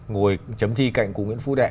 ngồi chấm thi cạnh của nguyễn phu đệ